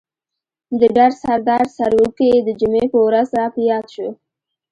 د ډر سردار سروکی د جمعې په ورځ را په ياد شو.